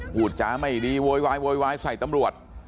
พูดจาไม่ดีโวยวายใส่ตำรวจ